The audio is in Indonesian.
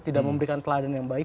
tidak memberikan teladan yang baik